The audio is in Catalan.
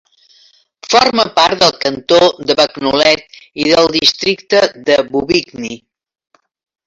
Forma part del cantó de Bagnolet i del districte de Bobigny.